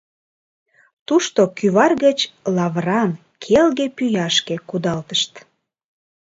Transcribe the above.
Тушто кӱвар гыч лавыран, келге пӱяшке кудалтышт.